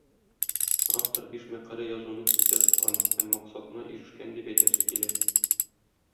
Автор биш мәкалә язуны күздә тоткан һәм максатына ирешкән дип әйтәсе килә.